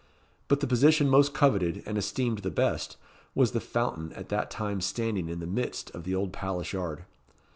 But the position most coveted, and esteemed the best, was the fountain at that time standing in the midst of the old palace yard.